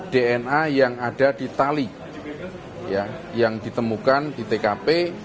dna yang ada di tali yang ditemukan di tkp